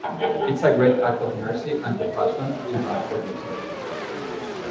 It's a great act of mercy and compassion you have for yourself.